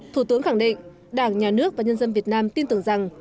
thủ tướng khẳng định đảng nhà nước và nhân dân việt nam tin tưởng rằng